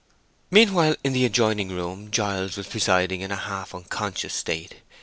Meanwhile, in the adjoining room Giles was presiding in a half unconscious state.